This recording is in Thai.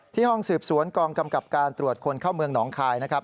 ห้องสืบสวนกองกำกับการตรวจคนเข้าเมืองหนองคายนะครับ